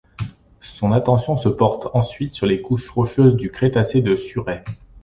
Son attention se porte ensuite sur les couches rocheuses du Crétacé du Surrey.